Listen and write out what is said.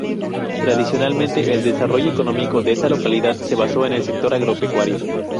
Tradicionalmente el desarrollo económico de esta localidad se basó en el sector agropecuario.